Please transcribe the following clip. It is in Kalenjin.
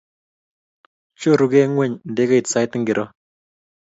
Chorugee ngweny ndegeit sait ngiro?